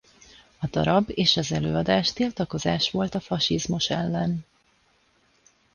A darab és az előadás tiltakozás volt a fasizmus ellen.